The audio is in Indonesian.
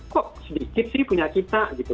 kok sedikit sih punya cita gitu